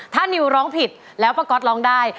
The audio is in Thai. ถ้านิวร้องผิดแล้วป้าก๊อตร้องได้